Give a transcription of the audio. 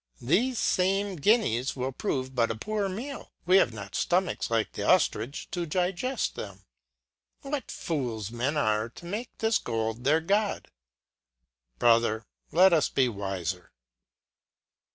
Thefe fame guineas will prove but a poor meal. We have not ftomachs, like the oflrich, to digefl them. What fools men are to make this gold their God ? Brother, let us be wifer.